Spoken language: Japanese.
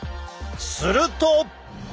すると！